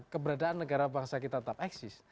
keberadaan negara bangsa kita tetap eksis